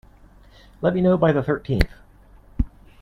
Let me know by the thirteenth.